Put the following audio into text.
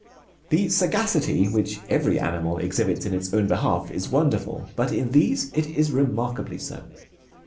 The sagacity which every animal exhibits in its own behalf is wonderful, but in these it is remarkably so.